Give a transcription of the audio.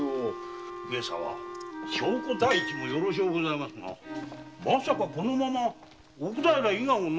上様証拠第一もよろしゅうございますがまさかこのまま奥平伊賀をのさばらせておくご所存では？